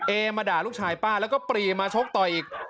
เอมาด่าลูกชายป้าแล้วก็ปรีมาชกต่อยอีก